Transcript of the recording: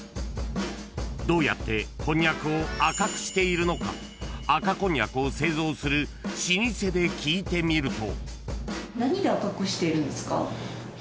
［どうやってこんにゃくを赤くしているのか赤こんにゃくを製造する老舗で聞いてみると］